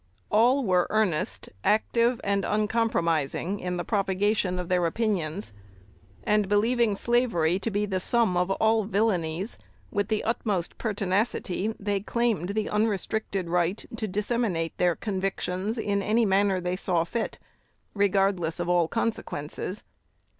All were earnest, active, and uncompromising in the propagation of their opinions; and, believing slavery to be the "sum of all villanies," with the utmost pertinacity they claimed the unrestricted right to disseminate their convictions in any manner they saw fit, regardless of all consequences.